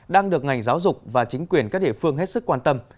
đang được ngành giáo dục và chính quyền các địa phương hết sức quan tâm